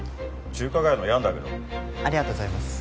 中華街のヤンだけどありがとうございます